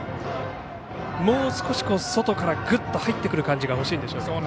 もう少し外からグッと入ってくる感じが欲しいんでしょうか。